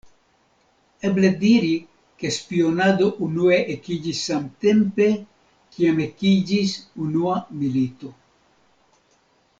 Eble diri, ke spionado unue ekiĝis samtempe, kiam ekiĝis unua milito.